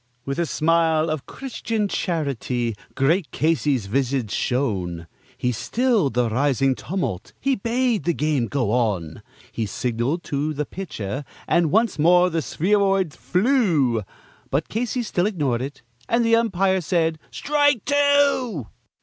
With a smile of Christian charity great Casey's visage shone; He stilled the rising tumult; he bade the game go on; He signaled to the pitcher, and once more the spheroid flew, But Casey still ignored it; and the umpire said, "Strike two."